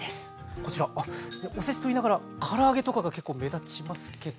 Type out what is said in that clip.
こちらあおせちと言いながらから揚げとかが結構目立ちますけど。